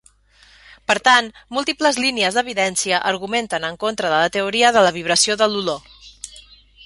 Per tant, múltiples línies d'evidència argumenten en contra de la teoria de la vibració de l'olor.